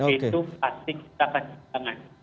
itu pasti kita akan kehilangan